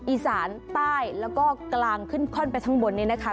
อีสานใต้แล้วก็กลางขึ้นค่อนไปข้างบนนี้นะคะ